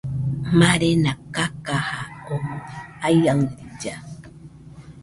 Marena kakaja omoɨ aiaɨrilla.